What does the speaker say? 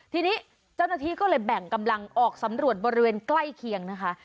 ทีนี้เจ้าหน้าที่ก็เลยแบ่งกำลังออกสำรวจบริเวณใกล้เคียงนะคะ